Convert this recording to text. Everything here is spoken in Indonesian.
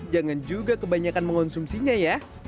jangan juga kebanyakan mengonsumsinya ya